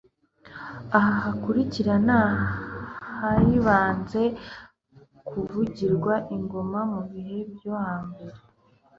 Aha hakurikira ni ahaibanze kuvugirizwa ingoma mu bihe byo ha mbere.